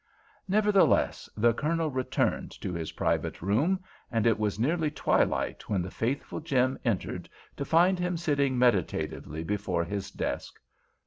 Nevertheless, the Colonel returned to his private room, and it was nearly twilight when the faithful Jim entered, to find him sitting meditatively before his desk.